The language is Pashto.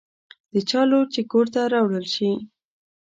د چا لور چې کور ته راوړل شي.